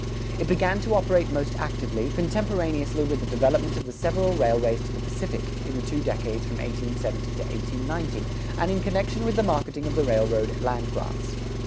It began to operate most actively, contemporaneously with the development of the several railways to the Pacific, in the two decades from 1870 to 1890, and in connection with the marketing of the railroad land grants.